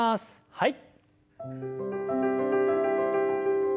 はい。